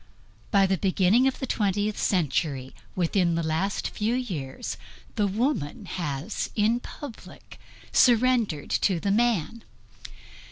By the beginning of the twentieth century, within the last few years, the woman has in public surrendered to the man.